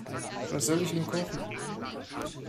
Was soll ich nur kochen?